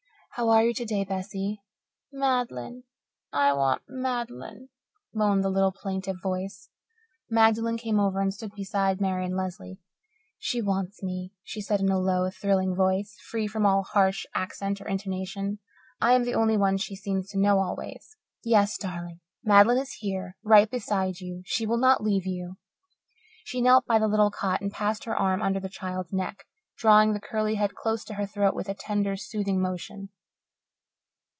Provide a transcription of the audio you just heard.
"How are you today, Bessie?" "Mad'len I want Mad'len," moaned the little plaintive voice. Magdalen came over and stood beside Marian Lesley. "She wants me," she said in a low, thrilling voice; free from all harsh accent or intonation. "I am the only one she seems to know always. Yes, darling, Mad'len is here right beside you. She will not leave you." She knelt by the little cot and passed her arm under the child's neck, drawing the curly head close to her throat with a tender, soothing motion.